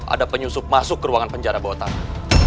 ada penyusup masuk ke ruangan penjara bawah tanah